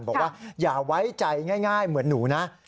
บอกว่าอย่าไว้ใจง่ายเหมือนหนูนะ